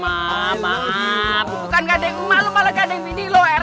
alhamdulillah ya allah alhamdulillah lewat